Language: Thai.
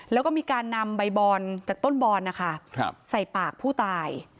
แล้วก็มีการนำใบบอนจากต้นบอนนะคะใส่ปากผู้ตาย